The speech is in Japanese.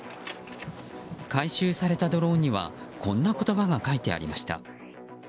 回収されたドローンにはこんな言葉が書いてありました。